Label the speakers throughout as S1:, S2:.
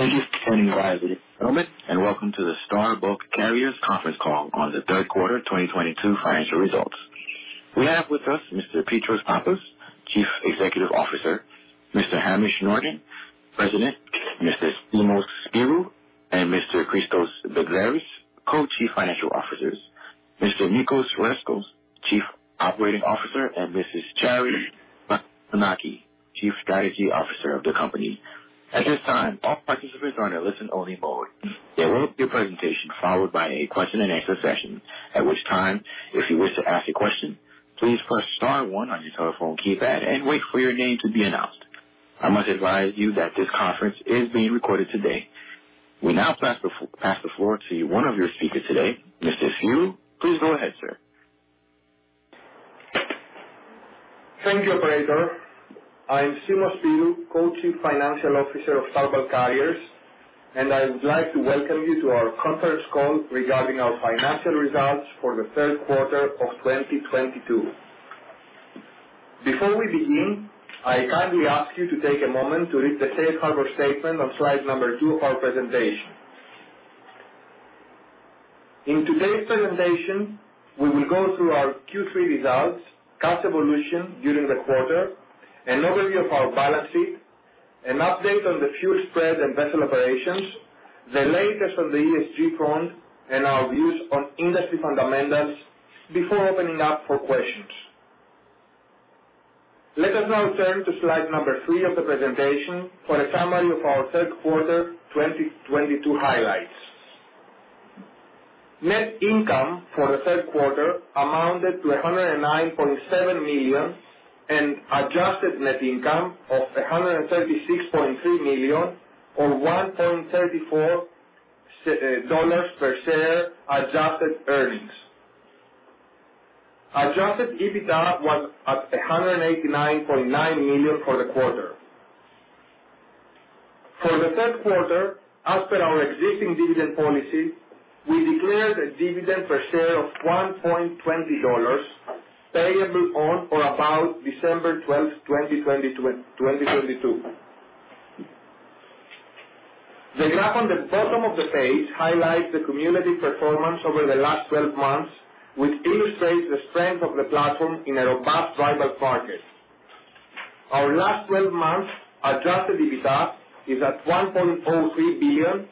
S1: Thank you for standing by the moment and welcome to the Star Bulk Carriers conference call on the third quarter 2022 financial results. We have with us Mr. Petros Pappas, Chief Executive Officer, Mr. Hamish Norton, President, Mr. Simos Spyrou and Mr. Christos Begleris, Co-Chief Financial Officers, Mr. Nicos Rescos, Chief Operating Officer, and Mrs. Charis Plakantonaki, Chief Strategy Officer of the company. At this time, all participants are on a listen-only mode. There will be a presentation followed by a question and answer session. At which time, if you wish to ask a question, please press star one on your telephone keypad and wait for your name to be announced. I must advise you that this conference is being recorded today. We now pass the floor to one of your speakers today, Mr. Spyrou. Please go ahead, sir.
S2: Thank you, operator. I am Simos Spyrou, Co-Chief Financial Officer of Star Bulk Carriers, and I would like to welcome you to our conference call regarding our financial results for the third quarter of 2022. Before we begin, I kindly ask you to take a moment to read the safe harbor statement on slide number two of our presentation. In today's presentation, we will go through our Q3 results, cash evolution during the quarter, an overview of our balance sheet, an update on the fuel spread and vessel operations, the latest on the ESG front, and our views on industry fundamentals before opening up for questions. Let us now turn to slide number three of the presentation for a summary of our third quarter 2022 highlights. Net income for the third quarter amounted to $109.7 million and adjusted net income of $136.3 million or $1.34 per share Adjusted earnings. Adjusted EBITDA was at $189.9 million for the quarter. For the third quarter, as per our existing dividend policy, we declared a dividend per share of $1.20 payable on or about December 12th, 2022. The graph on the bottom of the page highlights the cumulative performance over the last 12 months, which illustrates the strength of the platform in a robust global market. Our last 12 months Adjusted EBITDA is at $1.03 billion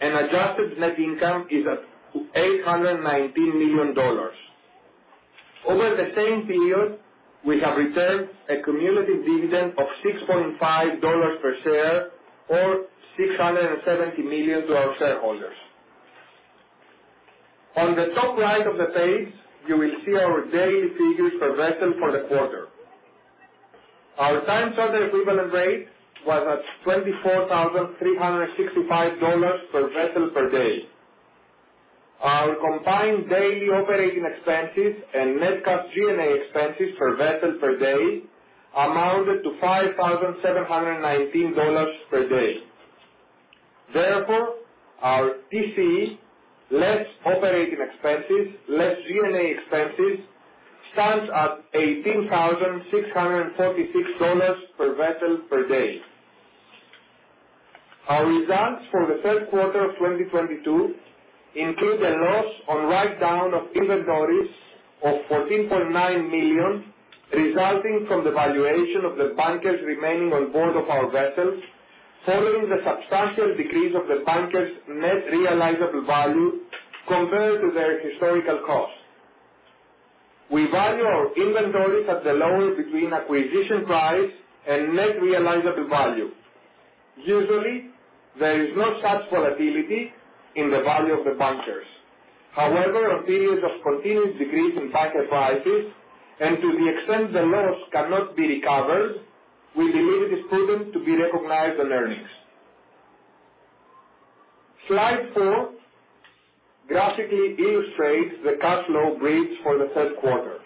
S2: and adjusted net income is at $819 million. Over the same period, we have returned a cumulative dividend of $6.5 per share or $670 million to our shareholders. On the top right of the page, you will see our daily figures per vessel for the quarter. Our time charter equivalent rate was at $24,365 per vessel per day. Our combined daily operating expenses and net cost G&A expenses per vessel per day amounted to $5,719 per day. Therefore, our TCE, less operating expenses, less G&A expenses, stands at $18,646 per vessel per day. Our results for the third quarter of 2022 include a loss on write-down of inventories of $14.9 million, resulting from the valuation of the bunkers remaining on board of our vessels, following the substantial decrease of the bunkers net realizable value compared to their historical cost. We value our inventories at the lower between acquisition price and net realizable value. Usually, there is no such volatility in the value of the bunkers. However, on periods of continued decrease in bunker prices and to the extent the loss cannot be recovered, we believe it is prudent to be recognized on earnings. Slide 4 graphically illustrates the cash flow bridge for the third quarter.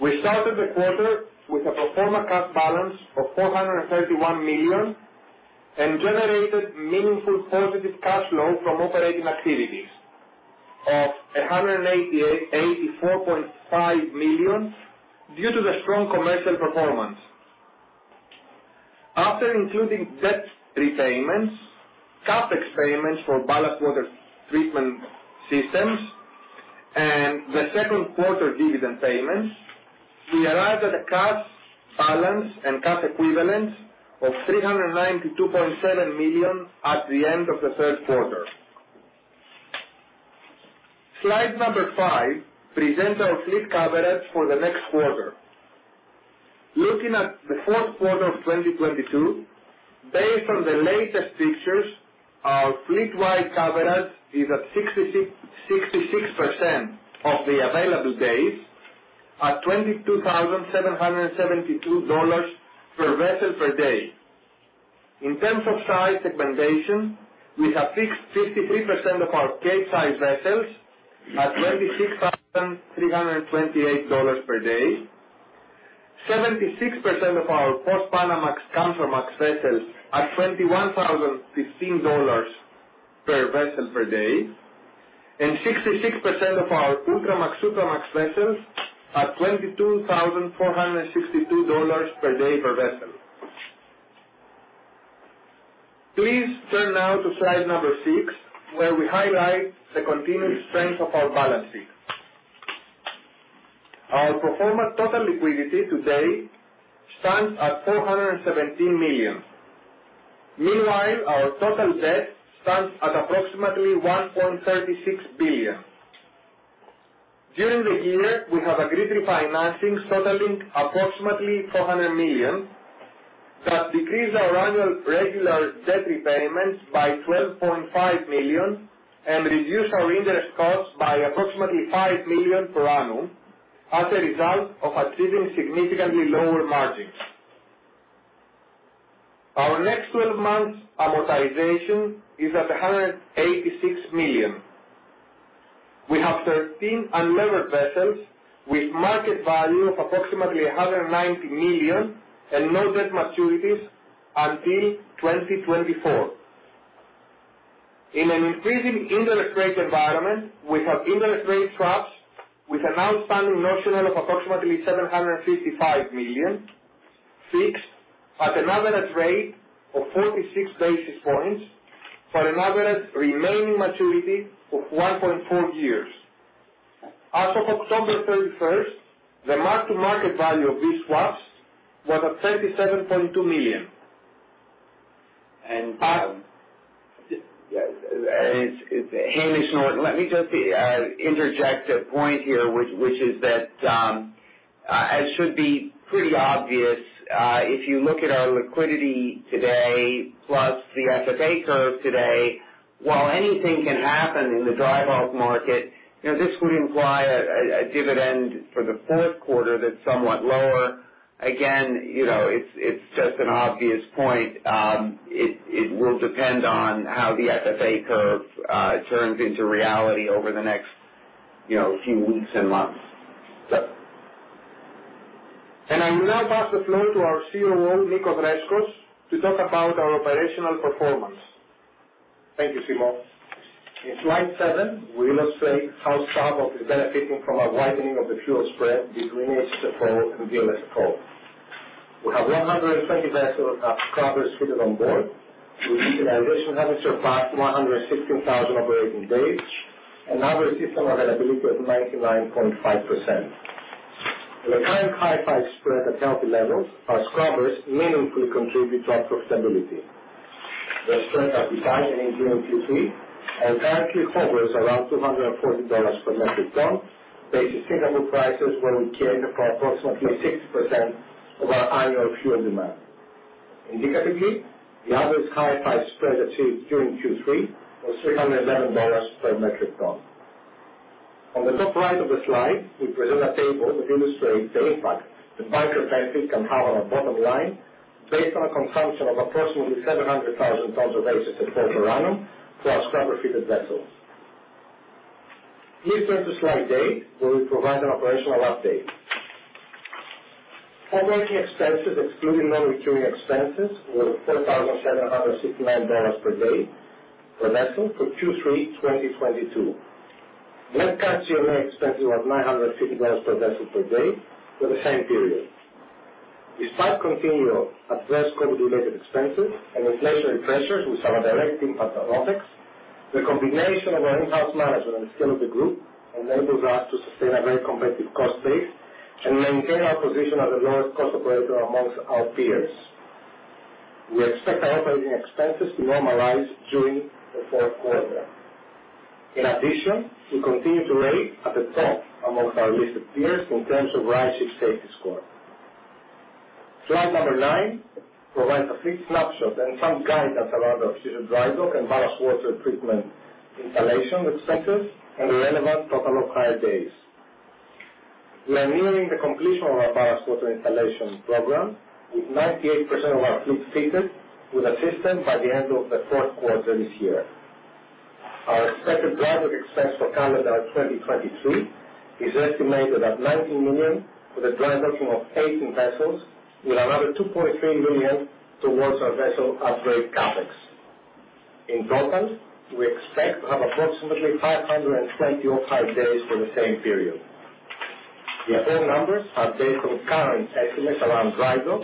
S2: We started the quarter with a pro forma cash balance of $431 million and generated meaningful positive cash flow from operating activities of $184.5 million due to the strong commercial performance. After including debt repayments, CapEx payments for ballast water treatment systems and the second quarter dividend payments, we arrived at a cash balance and cash equivalent of $392.7 million at the end of the third quarter. Slide number five presents our fleet coverage for the next quarter. Looking at the fourth quarter of 2022, based on the latest fixtures, our fleet-wide coverage is at 66% of the available days at $22,772 per vessel per day. In terms of size segmentation, we have fixed 53% of our Capesize vessels at $26,328 per day. 76% of our Post Panamax Kamsarmax vessels at $21,015 per vessel per day. 66% of our Ultramax, Supramax vessels are $22,462 per day per vessel. Please turn now to slide number six, where we highlight the continued strength of our balance sheet. Our pro forma total liquidity today stands at $417 million. Meanwhile, our total debt stands at approximately $1.36 billion. During the year, we have agreed refinancings totaling approximately $400 million that decrease our annual regular debt repayments by $12.5 million and reduce our interest costs by approximately $5 million per annum as a result of achieving significantly lower margins. Our next 12 months amortization is at $186 million. We have 13 unencumbered vessels with market value of approximately $190 million and no debt maturities until 2024. In an increasing interest rate environment, we have interest rate swaps with an outstanding notional of approximately $755 million fixed at an average rate of 46 basis points for an average remaining maturity of 1.4 years. As of October 31st, the mark-to-market value of these swaps was at $37.2 million.
S3: It's Hamish Norton. Let me just interject a point here which is that as should be pretty obvious if you look at our liquidity today plus the FFA curve today, while anything can happen in the dry bulk market, you know, this would imply a dividend for the fourth quarter that's somewhat lower. Again, you know, it's just an obvious point. It will depend on how the FFA curve turns into reality over the next, you know, few weeks and months.
S2: I will now pass the floor to our COO, Nicos Rescos, to talk about our operational performance.
S4: Thank you, Simos. In Slide 7, we illustrate how Star Bulk is benefiting from a widening of the fuel spread between HSFO and VLSFO. We have 120 vessels have scrubbers fitted on board, with utilization having surpassed 116,000 operating days and average system availability of 99.5%. With the current Hi5 spread at healthy levels, our scrubbers meaningfully contribute to our profitability. The spread at the time in Q3 and currently hovers around $240 per metric ton based on Singapore prices where we cover approximately 60% of our annual fuel demand. Indicatively, the average Hi5 spread achieved during Q3 was $311 per metric ton. On the top right of the slide, we present a table to illustrate the impact that bunker pricing can have on our bottom line based on a consumption of approximately 700,000 tons of HSFO per annum plus scrubber-fitted vessels. Please turn to Slide 8, where we provide an operational update. Operating expenses excluding non-recurring expenses were $4,769 per day per vessel for Q3 2022. Net cash G&A expenses was $950 per vessel per day for the same period. Despite continual additional COVID-related expenses and inflationary pressures which have a direct impact on OpEx, the combination of our in-house management and scale of the group enables us to sustain a very competitive cost base and maintain our position as the lowest cost operator amongst our peers. We expect our operating expenses to normalize during the fourth quarter. In addition, we continue to rate at the top amongst our listed peers in terms of RightShip safety score. Slide number nine provides a fleet snapshot and some guidance around our future dry dock and ballast water treatment installation expenses and the relevant total off-hire days. We are nearing the completion of our ballast water installation program with 98% of our fleet fitted with a system by the end of the fourth quarter this year. Our expected dry dock expense for calendar 2023 is estimated at $19 million, with a dry docking of 18 vessels, with another $2.3 million towards our vessel upgrade CapEx. In total, we expect to have approximately 525 days for the same period. The above numbers are based on current estimates around dry dock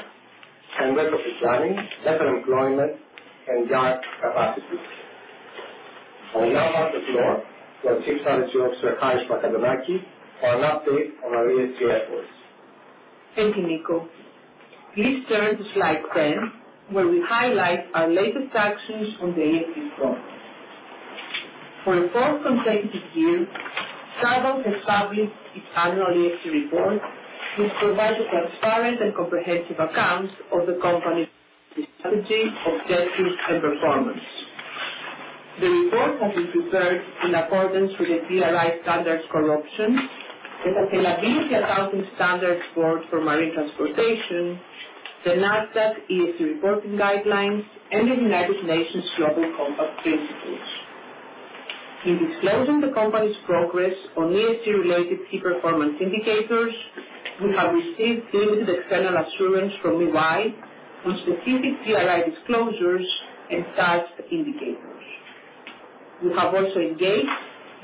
S4: and vessel planning, vessel employment, and yard capacities. I will now pass the floor to our Chief Strategy Officer, Charis Plakantonaki, for an update on our ESG efforts.
S5: Thank you, Niko. Please turn to Slide 10, where we highlight our latest actions on the ESG front. For a fourth consecutive year, Star Bulk has published its annual ESG report, which provides a transparent and comprehensive account of the company's strategy, objectives, and performance. The report has been prepared in accordance with the GRI Standards Core option, the Sustainability Accounting Standards Board for Marine Transportation, the Nasdaq ESG reporting guidelines, and the United Nations Global Compact Principles. In disclosing the company's progress on ESG-related key performance indicators, we have received limited external assurance from EY on specific GRI disclosures and such indicators. We have also engaged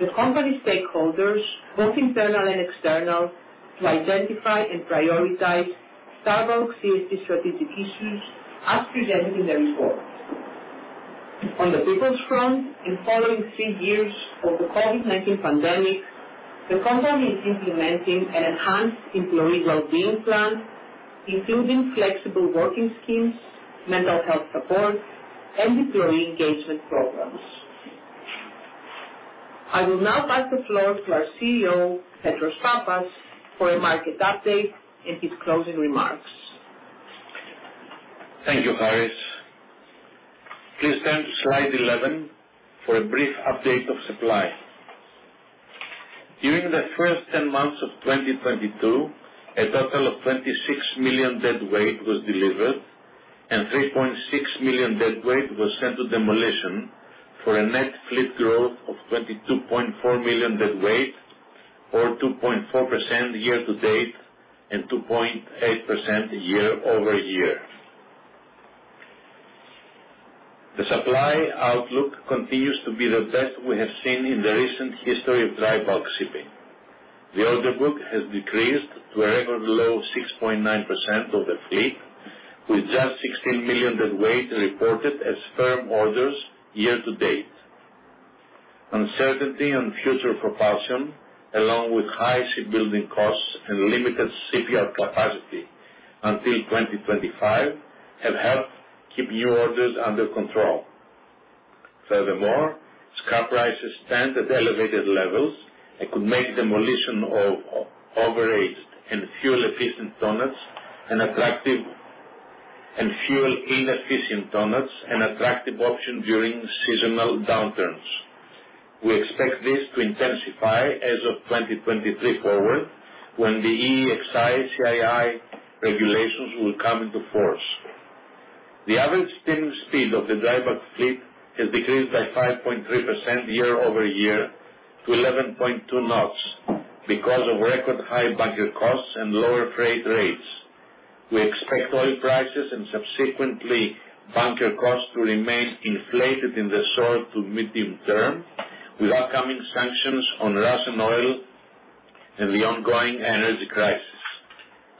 S5: the company stakeholders, both internal and external, to identify and prioritize several ESG strategic issues as presented in the report. On the people's front, in following three years of the COVID-19 pandemic, the company is implementing an enhanced employee well-being plan, including flexible working schemes, mental health support, and employee engagement programs. I will now pass the floor to our CEO, Petros Pappas, for a market update and his closing remarks.
S6: Thank you, Charis. Please turn to Slide 11 for a brief update of supply. During the first 10 months of 2022, a total of 26 million deadweight was delivered, and 3.6 million deadweight was sent to demolition for a net fleet growth of 22.4 million deadweight or 2.4% year to date and 2.8% year-over-year. The supply outlook continues to be the best we have seen in the recent history of dry bulk shipping. The order book has decreased to a record low of 6.9% of the fleet, with just 16 million deadweight reported as firm orders year to date. Uncertainty on future propulsion, along with high shipbuilding costs and limited shipyard capacity until 2025 have helped keep new orders under control. Furthermore, scrap prices stand at elevated levels and could make demolition of overaged and fuel inefficient tonnages an attractive option during seasonal downturns. We expect this to intensify as of 2023 forward when the EEXI-CII regulations will come into force. The average steaming speed of the dry bulk fleet has decreased by 5.3% year-over-year to 11.2 knots because of record high bunker costs and lower freight rates. We expect oil prices and subsequently bunker costs to remain inflated in the short to medium term, with upcoming sanctions on Russian oil and the ongoing energy crisis.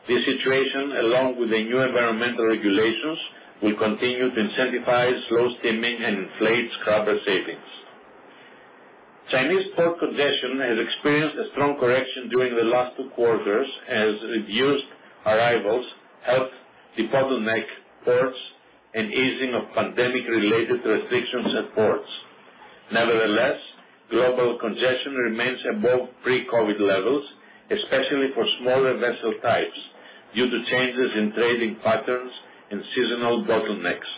S6: This situation, along with the new environmental regulations, will continue to incentivize slow steaming and inflate scrubber savings. Chinese port congestion has experienced a strong correction during the last two quarters as reduced arrivals helped depopulate ports and easing of pandemic-related restrictions at ports. Nevertheless, global congestion remains above pre-COVID levels, especially for smaller vessel types due to changes in trading patterns and seasonal bottlenecks.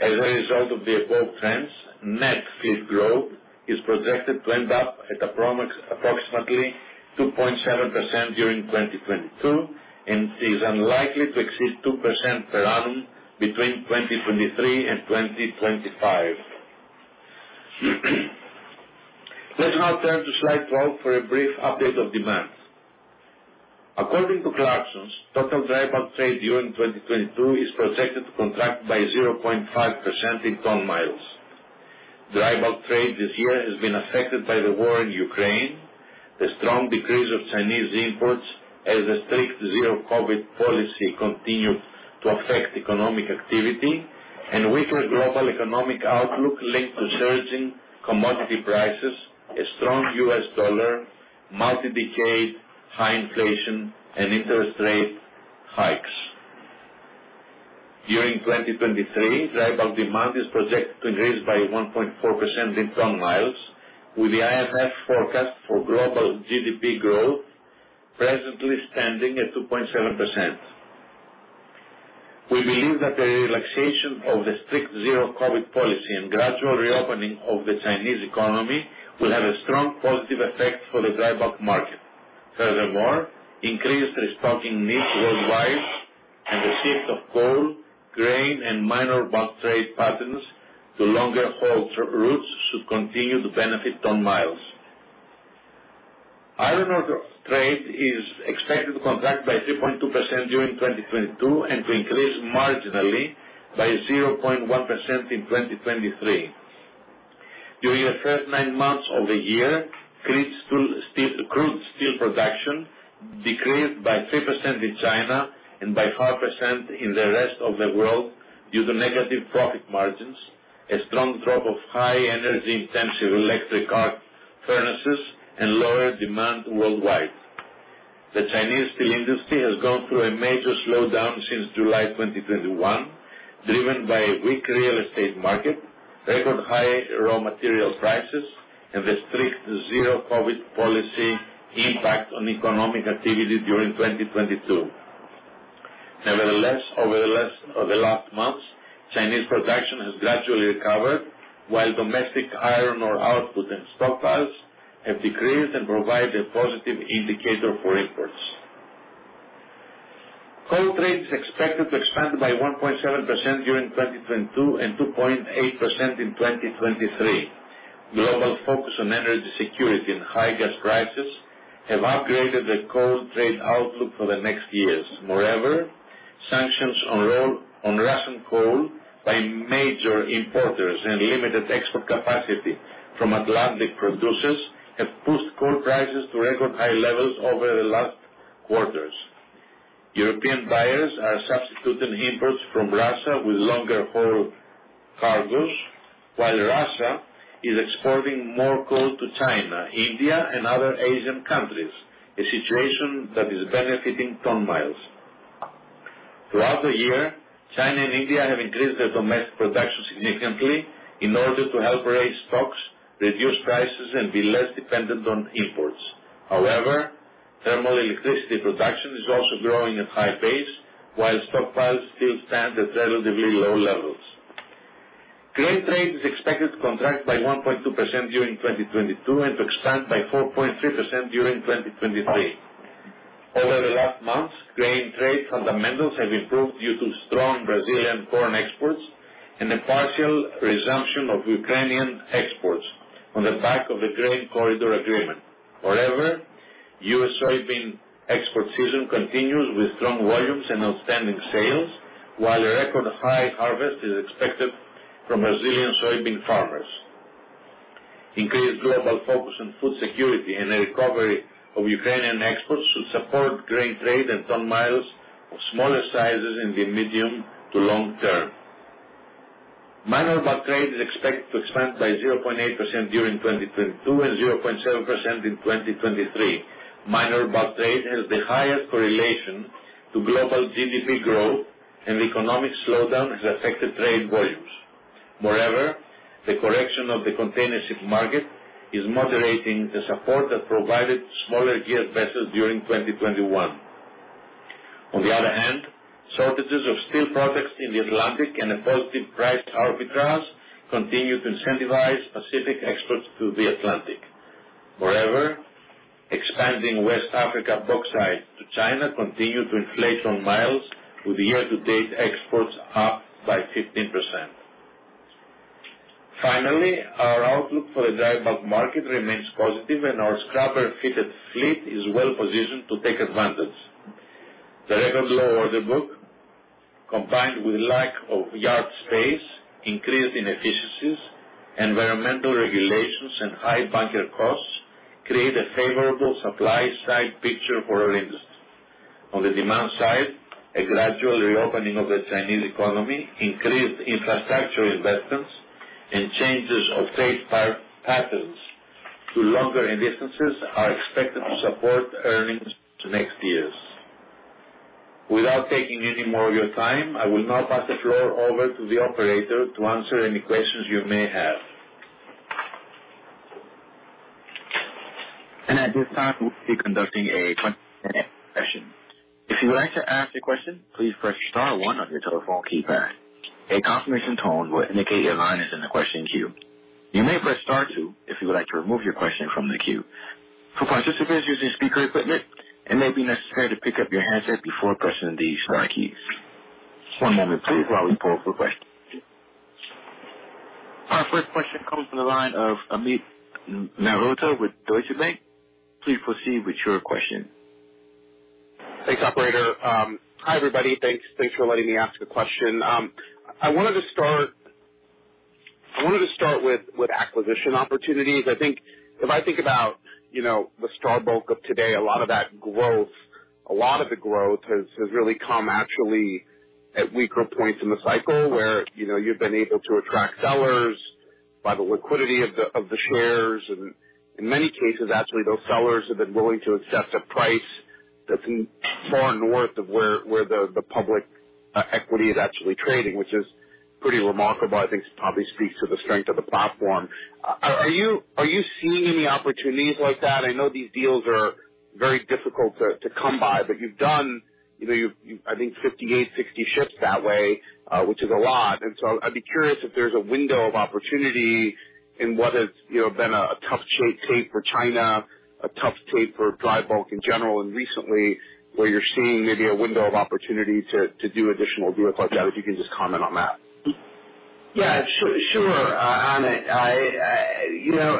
S6: As a result of the above trends, net fleet growth is projected to end up at approximately 2.7% during 2022 and is unlikely to exceed 2% per annum between 2023 and 2025. Let's now turn to Slide 12 for a brief update of demand. According to Clarksons, total dry bulk trade during 2022 is projected to contract by 0.5% in ton-miles. Dry bulk trade this year has been affected by the war in Ukraine, the strong decrease of Chinese imports as a strict zero-COVID policy continue to affect economic activity, and weaker global economic outlook linked to surging commodity prices, a strong U.S. dollar, multi-decade high inflation, and interest rate hikes. During 2023, dry bulk demand is projected to increase by 1.4% in ton-miles, with the IMF forecast for global GDP growth presently standing at 2.7%. We believe that the relaxation of the strict zero-COVID policy and gradual reopening of the Chinese economy will have a strong positive effect for the dry bulk market. Furthermore, increased restocking needs worldwide and the shift of coal, grain, and minor bulk trade patterns to longer-haul routes should continue to benefit ton-miles. Iron ore trade is expected to contract by 3.2% during 2022 and to increase marginally by 0.1% in 2023. During the first nine months of the year, crude steel production decreased by 3% in China and by 5% in the rest of the world due to negative profit margins, a strong drop of high energy-intensive electric arc furnaces, and lower demand worldwide. The Chinese steel industry has gone through a major slowdown since July 2021, driven by a weak real estate market, record high raw material prices, and the strict zero-COVID policy impact on economic activity during 2022. Nevertheless, over the last months, Chinese production has gradually recovered while domestic iron ore output and stockpiles have decreased and provide a positive indicator for imports. Coal trade is expected to expand by 1.7% during 2022 and 2.8% in 2023. Global focus on energy security and high gas prices have upgraded the coal trade outlook for the next years. Moreover, sanctions on Russian coal by major importers and limited export capacity from Atlantic producers have pushed coal prices to record high levels over the last quarters. European buyers are substituting imports from Russia with longer haul cargos, while Russia is exporting more coal to China, India and other Asian countries, a situation that is benefiting ton-miles. Throughout the year, China and India have increased their domestic production significantly in order to help raise stocks, reduce prices, and be less dependent on imports. However, thermal electricity production is also growing at high pace while stockpiles still stand at relatively low levels. Grain trade is expected to contract by 1.2% during 2022 and to expand by 4.3% during 2023. Over the last months, grain trade fundamentals have improved due to strong Brazilian corn exports and a partial resumption of Ukrainian exports on the back of the grain corridor agreement. However, U.S. soybean export season continues with strong volumes and outstanding sales, while a record high harvest is expected from Brazilian soybean farmers. Increased global focus on food security and a recovery of Ukrainian exports should support grain trade and ton-miles of smaller sizes in the medium to long term. Minor bulk trade is expected to expand by 0.8% during 2022 and 0.7% in 2023. Minor bulk trade has the highest correlation to global GDP growth, and the economic slowdown has affected trade volumes. Moreover, the correction of the container ship market is moderating the support that provided smaller geared vessels during 2021. On the other hand, shortages of steel products in the Atlantic and a positive price arbitrage continue to incentivize Pacific exports to the Atlantic. Moreover, expanding West Africa bauxite to China continue to inflate ton-miles with year-to-date exports up by 15%. Finally, our outlook for the dry bulk market remains positive and our scrubber-fitted fleet is well positioned to take advantage. The record low order book, combined with lack of yard space, increasing inefficiencies, environmental regulations and high bunker costs create a favorable supply-side picture for our industry. On the demand side, a gradual reopening of the Chinese economy, increased infrastructure investments and changes of trade patterns to longer distances are expected to support earnings into next year. Without taking any more of your time, I will now pass the floor over to the operator to answer any questions you may have.
S1: At this time, we'll be conducting a question-and-answer session. If you would like to ask a question, please press star one on your telephone keypad. A confirmation tone will indicate your line is in the question queue. You may press star two if you would like to remove your question from the queue. For participants using speaker equipment, it may be necessary to pick up your handset before pressing the star keys. One moment please while we pull for questions. Our first question comes from the line of Amit Mehrotra with Deutsche Bank. Please proceed with your question.
S7: Thanks, operator. Hi, everybody. Thanks for letting me ask a question. I wanted to start with acquisition opportunities. I think if I think about, you know, the Star Bulk of today, a lot of the growth has really come actually at weaker points in the cycle where, you know, you've been able to attract sellers by the liquidity of the shares. In many cases, actually, those sellers have been willing to accept a price that's far north of where the public equity is actually trading, which is pretty remarkable. I think it probably speaks to the strength of the platform. Are you seeing any opportunities like that? I know these deals are very difficult to come by. I think 58-60 ships that way, which is a lot. I'd be curious if there's a window of opportunity in what has, you know, been a tough tape for China, a tough tape for dry bulk in general, and recently where you're seeing maybe a window of opportunity to do additional deals like that. If you can just comment on that.
S3: Yeah, sure, Amit. You know,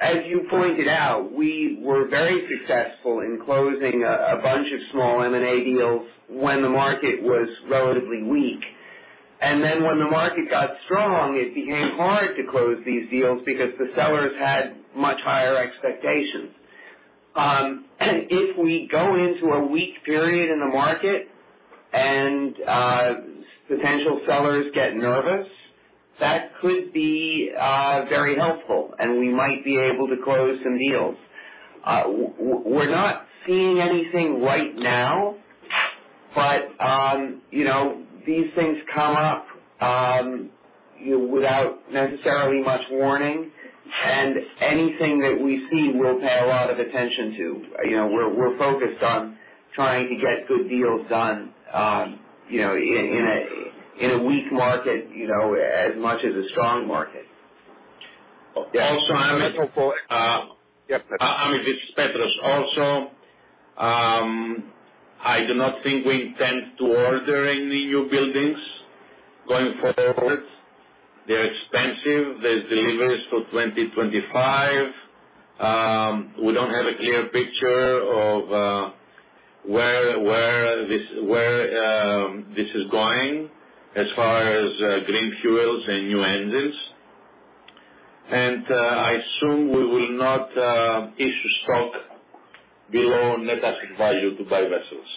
S3: as you pointed out, we were very successful in closing a bunch of small M&A deals when the market was relatively weak. When the market got strong, it became hard to close these deals because the sellers had much higher expectations. If we go into a weak period in the market and potential sellers get nervous, that could be very helpful and we might be able to close some deals. We're not seeing anything right now, but, you know, these things come up without necessarily much warning. Anything that we see we'll pay a lot of attention to. You know, we're focused on trying to get good deals done, you know, in a weak market, you know, as much as a strong market.
S6: Also, Amit.
S7: Yeah.
S6: This is Petros. I do not think we intend to order any new buildings going forward. They're expensive. There's deliveries for 2025. We don't have a clear picture of where this is going as far as green fuels and new engines. I assume we will not issue stock below net asset value to buy vessels.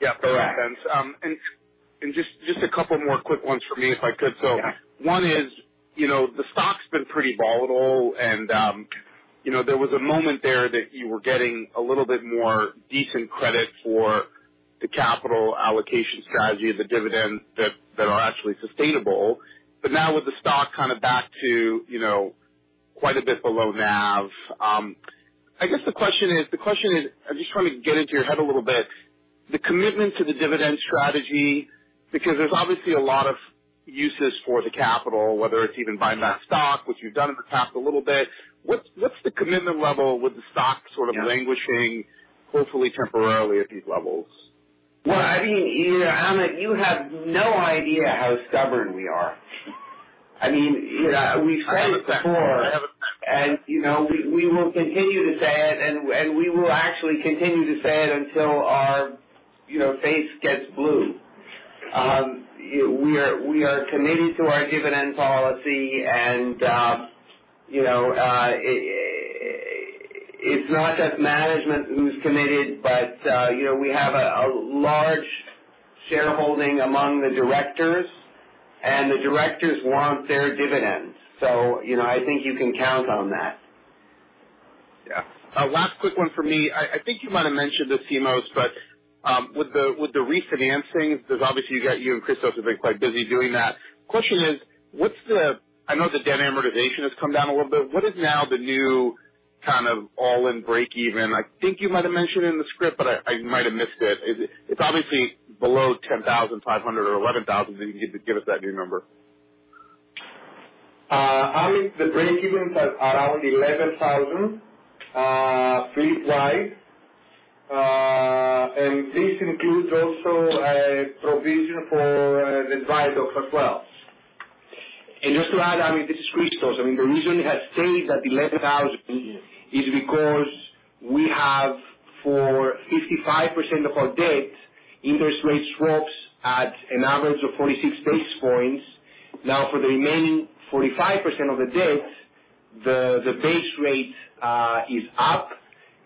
S7: Yeah. That makes sense. Just a couple more quick ones for me, if I could.
S3: Yeah.
S7: One is, you know, the stock's been pretty volatile and, you know, there was a moment there that you were getting a little bit more decent credit for the capital allocation strategy, the dividends that are actually sustainable. Now with the stock kind of back to, you know, quite a bit below NAV, I guess the question is, I'm just trying to get into your head a little bit, the commitment to the dividend strategy because there's obviously a lot of uses for the capital whether it's even buying back stock, which you've done in the past a little bit. What's the commitment level with the stock?
S3: Yeah.
S7: Languishing hopefully temporarily at these levels?
S3: Well, I mean, you know, Amit, you have no idea how stubborn we are. I mean, you know, we've said it before.
S7: I have a sense.
S3: You know, we will continue to say it and we will actually continue to say it until our, you know, face gets blue. You know, we are committed to our dividend policy and, you know, it's not just management who's committed, but, you know, we have a large shareholding among the directors, and the directors want their dividends. You know, I think you can count on that.
S7: Yeah. Last quick one for me. I think you might have mentioned this, Simos, but with the refinancing, there's obviously you and Christos have been quite busy doing that. Question is, I know the debt amortization has come down a little bit. What is now the new kind of all-in break-even? I think you might have mentioned in the script, but I might have missed it. It's obviously below $10,500 or $11,000, if you can give us that new number.
S2: Amit, the breakeven is at around $11,000 fleet-wide. This includes also a provision for the dry docks as well.
S8: Just to add, Amit, this is Christos. I mean, the reason it has stayed at $11,000 is because we have for 55% of our debt interest rate swaps at an average of 46 basis points. Now, for the remaining 45% of the debt, the base rate is up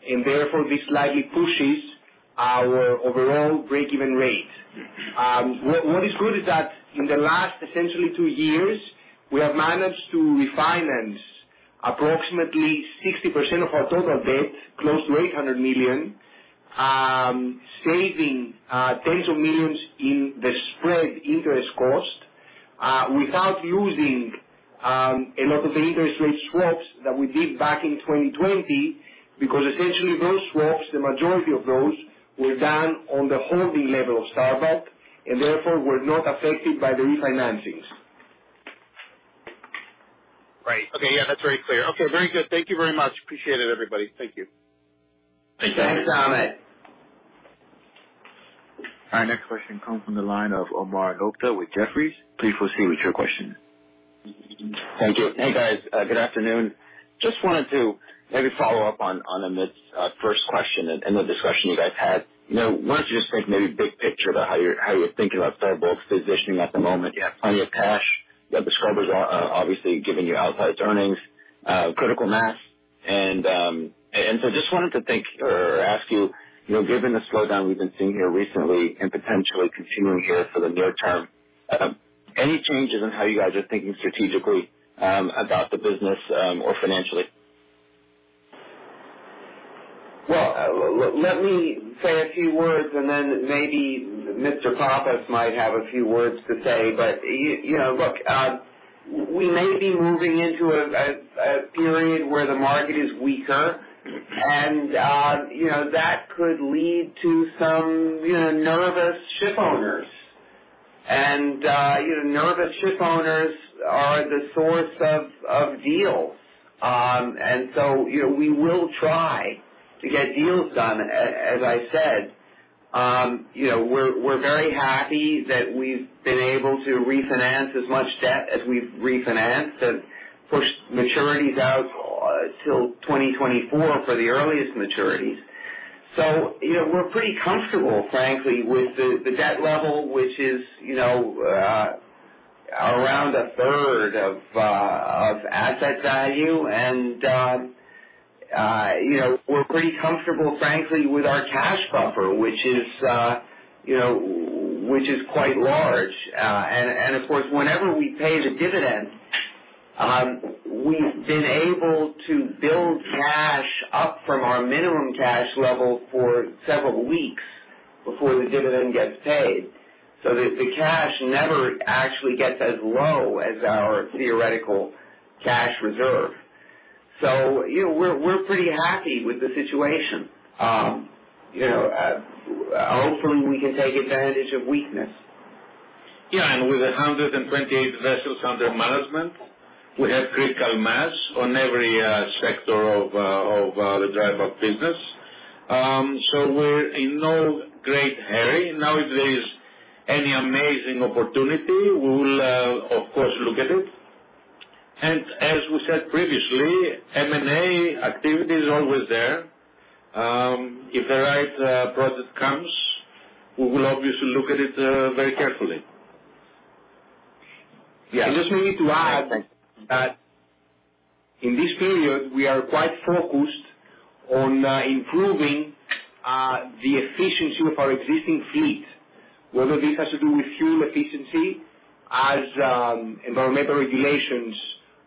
S8: and therefore this slightly pushes our overall break even rate. What is good is that in the last essentially two years, we have managed to refinance approximately 60% of our total debt, close to $800 million, saving tens of millions in the spread interest cost without using a lot of the interest rate swaps that we did back in 2020 because essentially those swaps, the majority of those were done on the holding level of Star Bulk and therefore were not affected by the refinancings.
S7: Right. Okay. Yeah, that's very clear. Okay. Very good. Thank you very much. Appreciate it, everybody. Thank you.
S3: Thank you, Amit.
S8: Thanks, Amit.
S1: Our next question comes from the line of Omar Nokta with Jefferies. Please proceed with your question.
S9: Thank you. Hey, guys. Good afternoon. Just wanted to maybe follow up on Amit's first question and the discussion you guys had. You know, why don't you just think maybe big picture about how you're thinking about Star Bulk's positioning at the moment? You have plenty of cash. You have the scrubbers obviously giving you outsized earnings, critical mass. Just wanted to think or ask you know, given the slowdown we've been seeing here recently and potentially continuing here for the near term, any changes in how you guys are thinking strategically about the business or financially?
S3: Well, let me say a few words and then maybe Mr. Pappas might have a few words to say. You know, look, we may be moving into a period where the market is weaker and you know that could lead to some, you know, nervous shipowners. You know, nervous shipowners are the source of deals. You know, we will try to get deals done. As I said, you know, we're very happy that we've been able to refinance as much debt as we've refinanced and pushed maturities out till 2024 for the earliest maturities. You know, we're pretty comfortable, frankly, with the debt level, which is, you know, around a third of asset value. You know, we're pretty comfortable, frankly, with our cash buffer, which is, you know, quite large. Of course, whenever we pay the dividends, we've been able to build cash up from our minimum cash level for several weeks before the dividend gets paid. The cash never actually gets as low as our theoretical cash reserve. You know, we're pretty happy with the situation. You know, hopefully, we can take advantage of weakness.
S6: Yeah, with 128 vessels under management, we have critical mass on every sector of the dry bulk business. We're in no great hurry. Now, if there is any amazing opportunity, we will, of course, look at it. As we said previously, M&A activity is always there. If the right project comes, we will obviously look at it very carefully.
S9: Yeah.
S8: I just need to add that in this period, we are quite focused on improving the efficiency of our existing fleet, whether this has to do with fuel efficiency as environmental regulations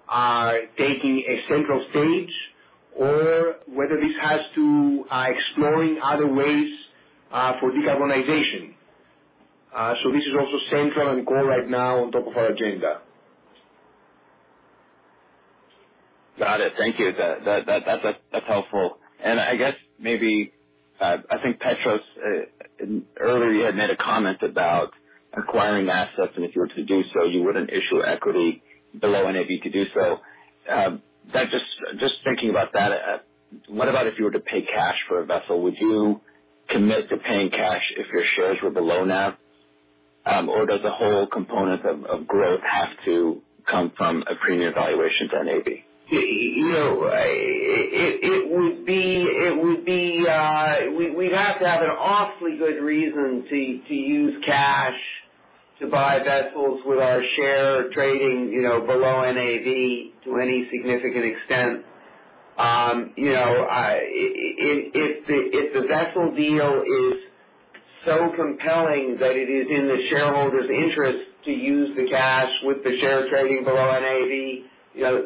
S8: are taking a central stage or whether this exploring other ways for decarbonization. This is also central and core right now on top of our agenda.
S9: Got it. Thank you. That's helpful. I guess maybe I think Petros earlier you had made a comment about acquiring assets, and if you were to do so, you wouldn't issue equity below NAV to do so. Just thinking about that, what about if you were to pay cash for a vessel? Would you commit to paying cash if your shares were below NAV? Does the whole component of growth have to come from a premium valuation to NAV?
S3: You know, we'd have to have an awfully good reason to use cash to buy vessels with our share trading, you know, below NAV to any significant extent. You know, if the vessel deal is so compelling that it is in the shareholders' interest to use the cash with the share trading below NAV, you know,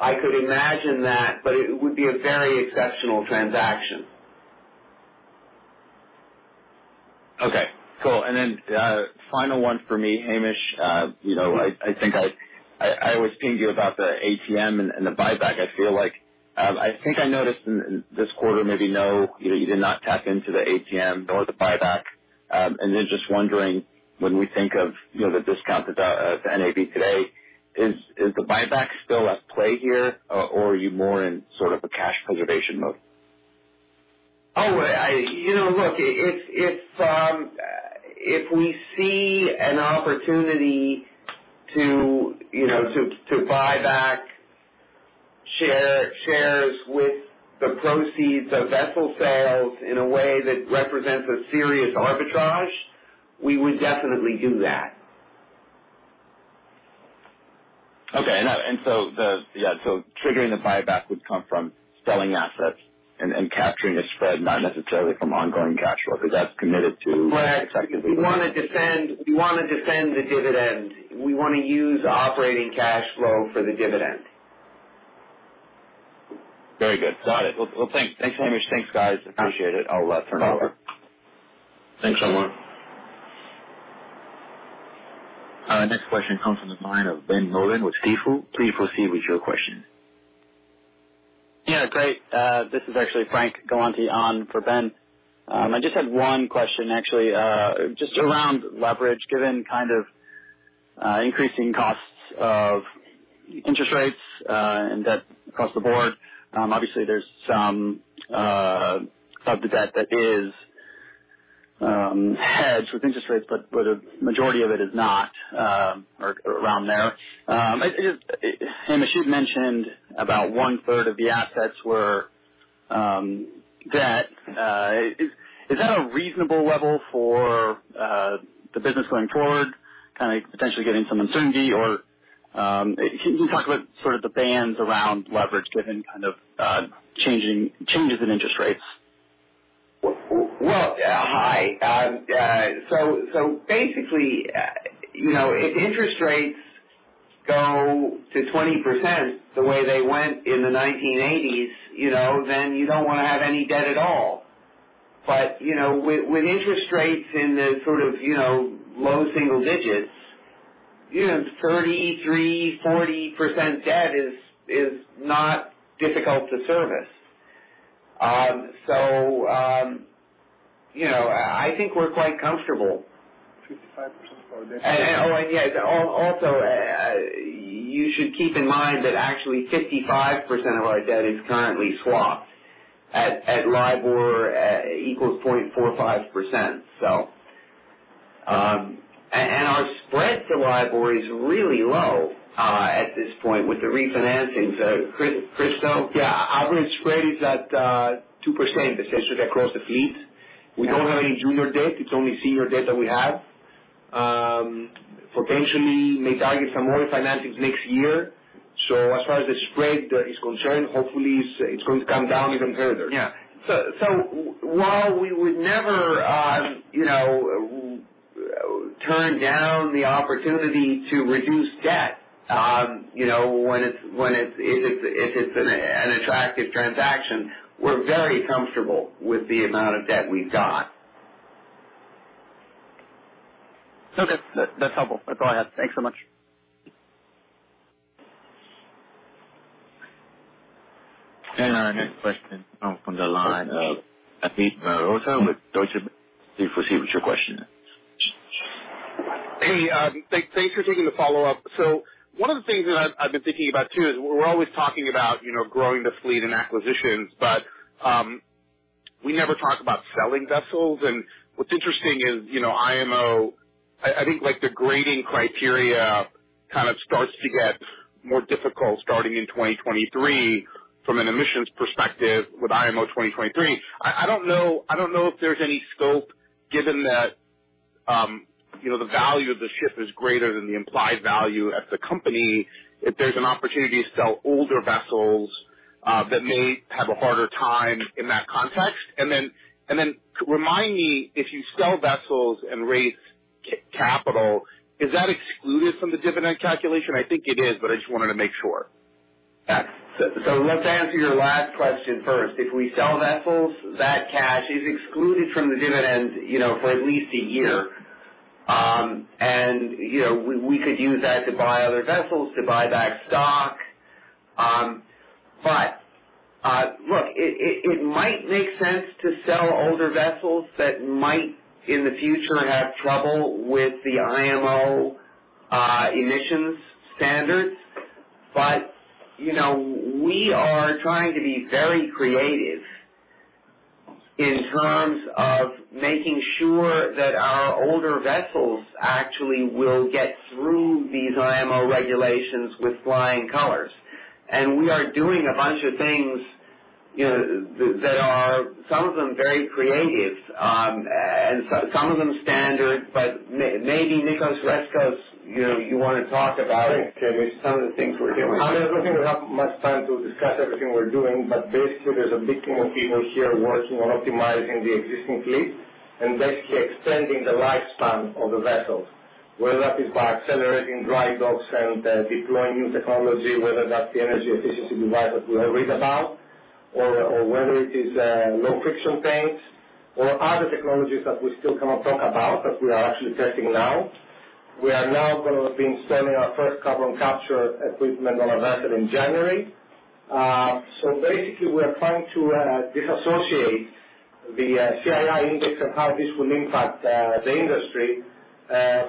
S3: I could imagine that, but it would be a very exceptional transaction.
S9: Okay, cool. Final one for me, Hamish. You know, I think I always ping you about the ATM and the buyback. I feel like I think I noticed in this quarter, maybe no, you know, you did not tap into the ATM nor the buyback. Just wondering, when we think of, you know, the discount to the NAV today, is the buyback still at play here or are you more in sort of a cash preservation mode?
S3: You know, look, if we see an opportunity to, you know, to buy back shares with the proceeds of vessel sales in a way that represents a serious arbitrage, we would definitely do that.
S9: Okay. Yeah, triggering the buyback would come from selling assets and capturing a spread, not necessarily from ongoing cash flow.
S3: Well, we wanna defend the dividend. We wanna use operating cash flow for the dividend.
S9: Very good. Got it. Well, thanks, Hamish. Thanks, guys. Appreciate it. I'll turn over.
S3: Thanks so much.
S1: Next question comes from the line of Ben Nolan with Stifel. Please proceed with your question.
S10: Yeah. Great. This is actually Frank Galanti on for Ben. I just had one question actually, just around leverage, given kind of increasing costs of interest rates and debt across the board. Obviously there's some of the debt that is hedged with interest rates, but a majority of it is not, or around there. Hamish, you'd mentioned about 1/3 of the assets were debt. Is that a reasonable level for the business going forward, kinda potentially getting some uncertainty or can you talk about sort of the bands around leverage given kind of changes in interest rates?
S3: Well, hi. Basically, you know, if interest rates go to 20% the way they went in the 1980s, you know, then you don't wanna have any debt at all. You know, with interest rates in the sort of, you know, low single digits, you know, 33%-40% debt is not difficult to service. You know, I think we're quite comfortable.
S8: 55% of our debt.
S3: Yes, also, you should keep in mind that actually 55% of our debt is currently swapped at LIBOR equals 0.45%. Our spread to LIBOR is really low at this point with the refinancing. Christos?
S8: Yeah. Our spread is at 2% essentially across the fleet. We don't have any junior debt. It's only senior debt that we have. Potentially may target some more financings next year. As far as the spread is concerned, hopefully it's going to come down even further.
S3: Yeah. So, so while we would never, uh, you know, turn down the opportunity to reduce debt, um, you know, when it's, when it's, if it's, if it's an attractive transaction, we're very comfortable with the amount of debt we've got.
S10: Okay. That's helpful. Go ahead. Thanks so much.
S1: Our next question come from the line of Amit Mehrotra with Deutsche Bank. Please proceed with your question.
S7: Hey, thanks for taking the follow-up. One of the things that I've been thinking about too is we're always talking about, you know, growing the fleet and acquisitions, but we never talk about selling vessels. What's interesting is, you know, IMO, I think like the grading criteria kind of starts to get more difficult starting in 2023 from an emissions perspective with IMO 2023. I don't know if there's any scope given that, you know, the value of the ship is greater than the implied value at the company if there's an opportunity to sell older vessels that may have a harder time in that context. Remind me, if you sell vessels and raise capital, is that excluded from the dividend calculation? I think it is, but I just wanted to make sure.
S3: Let's answer your last question first. If we sell vessels, that cash is excluded from the dividends, you know, for at least a year. You know, we could use that to buy other vessels to buy back stock. Look, it might make sense to sell older vessels that might in the future have trouble with the IMO emissions standards. You know, we are trying to be very creative in terms of making sure that our older vessels actually will get through these IMO regulations with flying colors. We are doing a bunch of things, you know, that are some of them very creative and so some of them standard. Maybe Nicos Rescos, you know, you wanna talk about some of the things we're doing.
S4: I mean, I don't think we have much time to discuss everything we're doing, but basically there's a big team of people here working on optimizing the existing fleet and basically extending the lifespan of the vessels, whether that is by accelerating dry docks and deploying new technology, whether that's the energy efficiency devices we have read about or whether it is low-friction paints or other technologies that we still cannot talk about that we are actually testing now. We are now gonna be installing our first carbon capture equipment on a vessel in January. Basically we are trying to disassociate the CII index and how this will impact the industry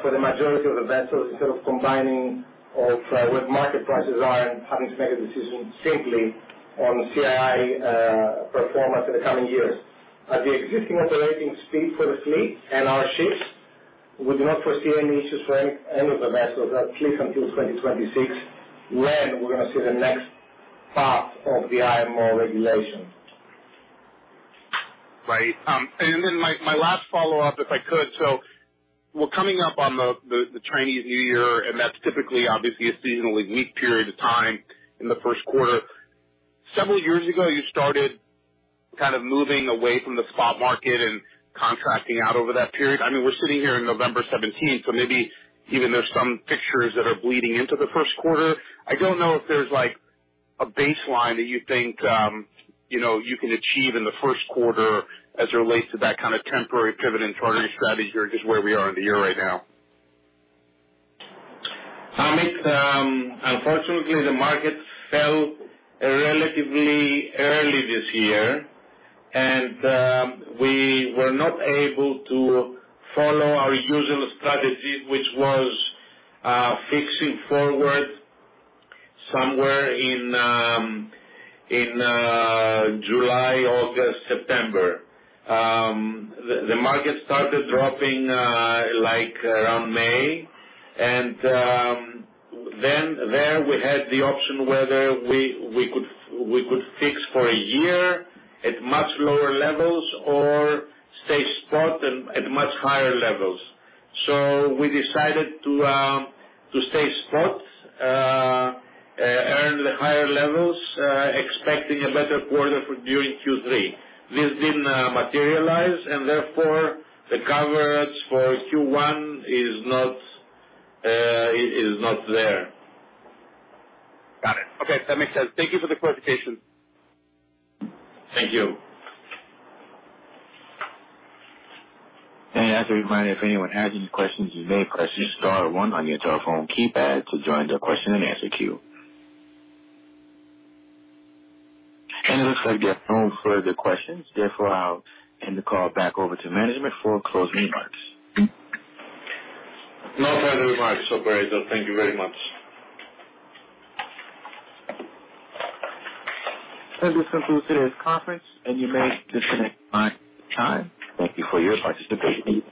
S4: for the majority of the vessels instead of combining of what market prices are and having to make a decision simply on CII performance in the coming years. At the existing operating speed for the fleet and our ships, we do not foresee any issues for any of the vessels, at least until 2026, when we're gonna see the next part of the IMO regulation.
S7: Right. My last follow-up, if I could. We're coming up on the Chinese New Year, and that's typically obviously a seasonally weak period of time in the first quarter. Several years ago, you started kind of moving away from the spot market and contracting out over that period. I mean, we're sitting here in November 17th, so maybe even there's some fixtures that are bleeding into the first quarter. I don't know if there's like a baseline that you think, you know, you can achieve in the first quarter as it relates to that kind of temporary pivot in charter strategy or just where we are in the year right now.
S6: Amit, unfortunately the markets fell relatively early this year, and we were not able to follow our usual strategy which was fixing forward somewhere in July, August, September. The market started dropping like around May and then there we had the option whether we could fix for a year at much lower levels or stay spot and at much higher levels. We decided to stay spot, earn the higher levels, expecting a better quarter during Q3. This didn't materialize, and therefore the coverage for Q1 is not there.
S7: Got it. Okay, that makes sense. Thank you for the clarification.
S4: Thank you.
S1: As a reminder, if anyone has any questions, you may press star one on your telephone keypad to join the question-and-answer queue. It looks like there are no further questions. Therefore, I'll hand the call back over to management for closing remarks.
S6: No further remarks, operator. Thank you very much.
S1: This concludes today's conference, and you may disconnect at this time. Thank you for your participation.